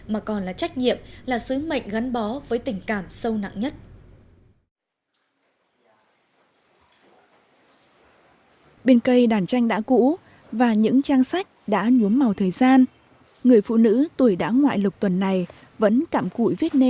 mà còn là trách nhiệm là sứ mệnh gắn bó với tình cảm sâu nặng nhất